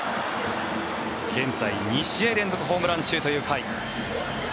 現在、２試合連続ホームラン中という甲斐。